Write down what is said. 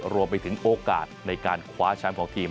รวมไปถึงโอกาสในการคว้าแชมป์ของทีม